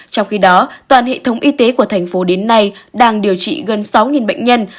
trong khi đó toàn hệ thống y tế của thành phố đến nay đang điều trị gần sáu bệnh nhân